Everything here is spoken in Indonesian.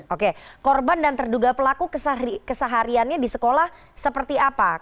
oke korban dan terduga pelaku kesehariannya di sekolah seperti apa